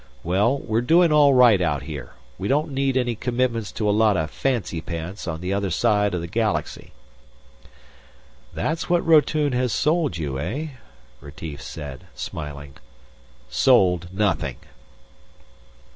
Well, we're doing all right out here. We don't need any commitments to a lot of fancy pants on the other side of the Galaxy." "That's what Rotune has sold you, eh?" Retief said, smiling. "Sold, nothing!"